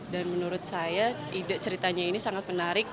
dan menurut saya ide ceritanya ini sangat menarik